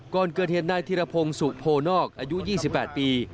ก่อนเกิดเหตุนายธิรพงศ์สุโพนอกอายุ๒๘ปี